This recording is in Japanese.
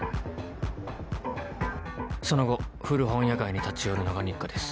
その後古本屋街に立ち寄るのが日課です。